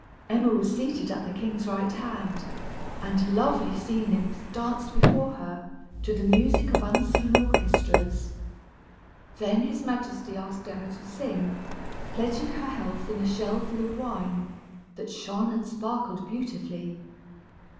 Emma was seated at the king's right hand, and lovely sea nymphs danced before her, to the music of unseen orchestras. Then his majesty asked Emma to sing, pledging her health in a shell full of wine, that shone and sparkled beautifully.